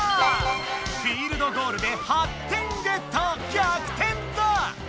フィールドゴールで８点ゲット！逆転だ！